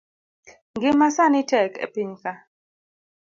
Ngima sani tek e piny ka